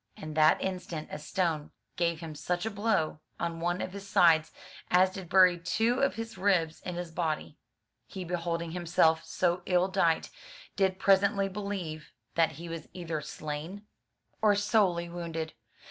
'* At that instant a stone gave him such a blow on one of his sides, as did bury two of his ribs in his body. He beholding himself so ill dight, did presently believe that he was either slain 99 M Y BOOK HOUSE or sorely wounded.